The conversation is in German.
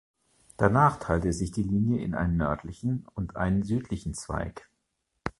Danach teilte sich die Linie in einen nördlichen und einen südlichen Zweig.